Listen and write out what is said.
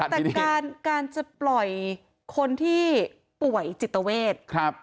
แต่การจะปล่อยคนที่ป่วยจิตเวท